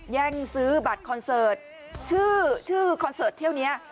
แย่งซื้อบัตรคอนเสิร์ตชื่อชื่อคอนเสิร์ตเที่ยวนี้